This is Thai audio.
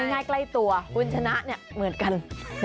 ง่ายใกล้ตัวคุณชนะเนี่ยเหมือนกัน